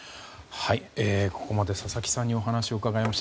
ここまで佐々木さんにお話を伺いました。